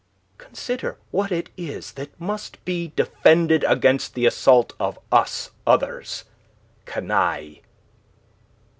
Consider what it is that must be defended against the assault of us others canaille.